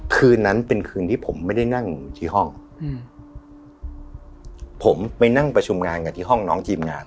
คืนที่ผมไม่ได้นั่งที่ห้องอืมผมไปนั่งประชุมงานกับที่ห้องน้องทีมงาน